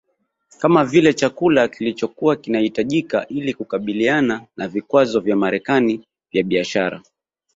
kama vile chakula kilichokua kinahitajika ili kukabiliana na vikwazo vya Marekani vya biashara